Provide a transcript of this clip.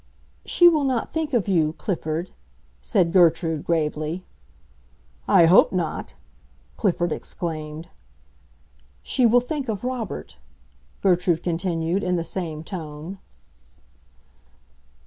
"She will not think of you, Clifford," said Gertrude, gravely. "I hope not!" Clifford exclaimed. "She will think of Robert," Gertrude continued, in the same tone.